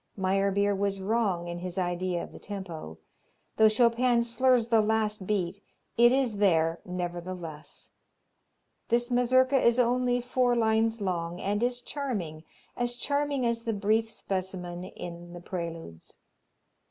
Meyerbeer was wrong in his idea of the tempo. Though Chopin slurs the last beat, it is there, nevertheless. This Mazurka is only four lines long and is charming, as charming as the brief specimen in the Preludes.